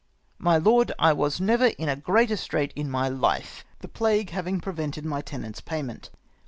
" My lord, / never ivas in a greater strait in my life, the plague having prevented my tenants' payment.